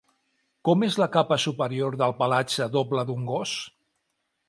Com és la capa superior del pelatge doble d'un gos?